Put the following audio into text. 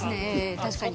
確かに。